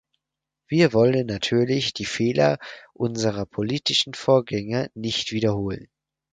Wir wollen natürlich die Fehler unserer politischen Vorgänger nicht wiederholen.